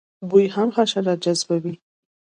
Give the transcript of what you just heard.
بوی هم حشرات جذبوي